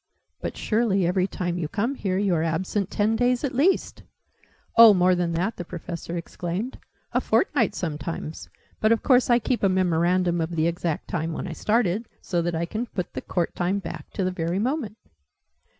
"But surely, every time you come here, you are absent ten days, at least?" "Oh, more than that!" the Professor exclaimed. "A fortnight, sometimes. But of course I keep a memorandum of the exact time when I started, so that I can put the Court time back to the very moment!"